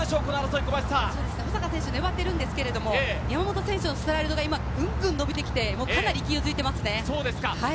保坂選手、粘っているんですが、山本選手のストライドがぐんぐん伸びてきて、かなり勢いづいていますね。